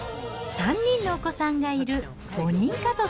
３人のお子さんがいる５人家族。